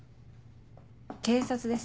警察です。